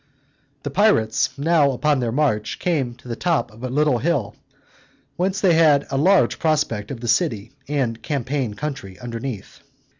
The pirates, now upon their march, came to the top of a little hill, whence they had a large prospect of the city and champaign country underneath.